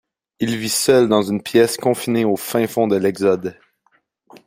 Il vit seul dans une pièce confiné au fin fond de l'Exode.